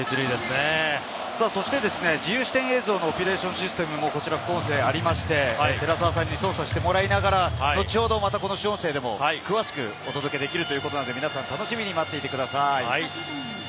そして自由視点映像のオペレーションシステムがこちら副音声にありまして、操作してもらいながら、後ほどこの主音声でも詳しくお届けできるということなので、皆さん、楽しみに待っていてください。